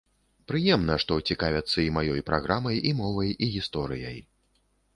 Прыемна, што цікавяцца і маёй праграмай, і мовай, і гісторыяй.